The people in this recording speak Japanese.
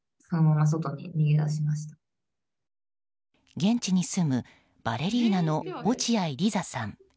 現地に住むバレリーナの落合リザさん。